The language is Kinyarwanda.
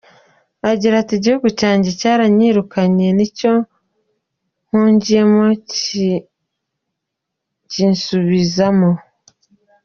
Agira ati "Igihugu cyanjye cyaranyirukanye n’icyo mpungiyemo kikinsubizamo.